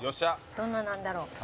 どんななんだろう。